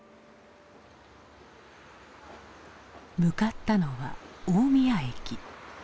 向かったのは大宮駅。